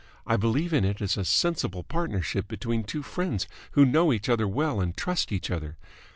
I believe in it as a sensible partnership between two friends who know each other well and trust each other.